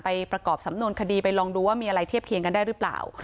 ประกอบสำนวนคดีไปลองดูว่ามีอะไรเทียบเคียงกันได้หรือเปล่า